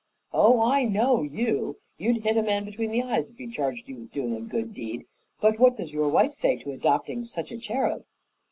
"Oh, I know you! You'd hit a man between the eyes if he charged you with doing a good deed. But what does your wife say to adopting such a cherub?"